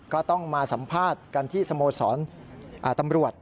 ก็ต้องมาสัมภาษณ์กันที่สโมสรตำรวจ